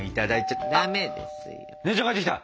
あっ姉ちゃん帰ってきた！